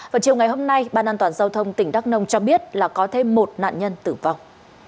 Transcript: vào chiều ngày hôm nay ban an toàn giao thông tỉnh đắk nông cho biết là có thêm một nạn nhân tử vong